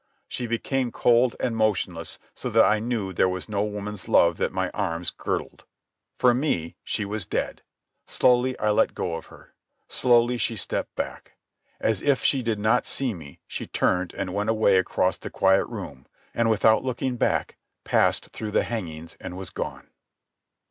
She became cold and motionless, so that I knew there was no woman's love that my arms girdled. For me she was dead. Slowly I let go of her. Slowly she stepped back. As if she did not see me she turned and went away across the quiet room, and without looking back passed through the hangings and was gone.